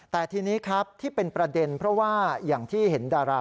แต่ทีนี้ครับที่เป็นประเด็นเพราะว่าอย่างที่เห็นดารา